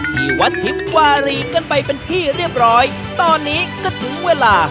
ที่วัดทิพย์วารีกันไปเป็นที่เรียบร้อยตอนนี้ก็ถึงเวลา